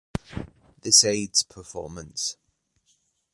This aids performance.